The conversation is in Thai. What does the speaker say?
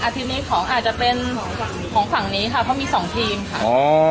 ทีนี้ของอาจจะเป็นของฝั่งนี้ค่ะเพราะมีสองทีมค่ะ